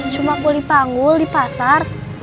cuma kulit panggul di pasar